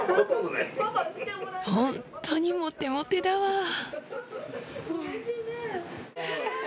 ほんとにもてもてだわ。